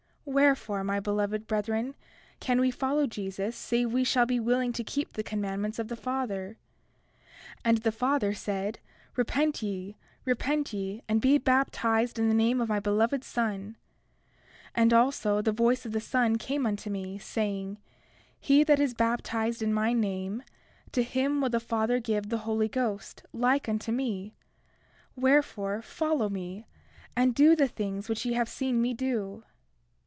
Wherefore, my beloved brethren, can we follow Jesus save we shall be willing to keep the commandments of the Father? 31:11 And the Father said: Repent ye, repent ye, and be baptized in the name of my Beloved Son. 31:12 And also, the voice of the Son came unto me, saying: He that is baptized in my name, to him will the Father give the Holy Ghost, like unto me; wherefore, follow me, and do the things which ye have seen me do.